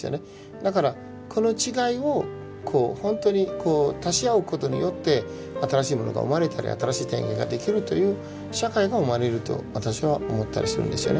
だからこの違いをこう本当にこう足し合うことによって新しいものが生まれたり新しい体験ができるという社会が生まれると私は思ったりするんですよね。